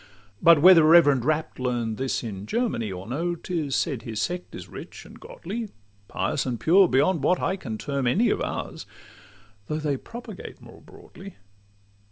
But whether reverend Rapp learn'd this in Germany Or no, 'tis said his sect is rich and godly, Pious and pure, beyond what I can term any Of ours, although they propagate more broadly.